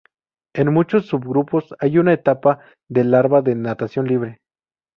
En muchos subgrupos hay una etapa de larva de natación libre.